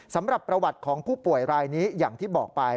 สำหรับประวัติของผู้ป่วยรายนี้อย่างที่บอกไป